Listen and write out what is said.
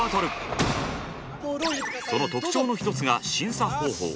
その特徴の一つが審査方法。